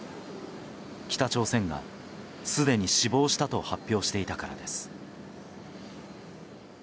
北朝鮮が、すでに死亡したと発表していたからです。